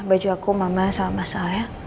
baju aku mama sama asal ya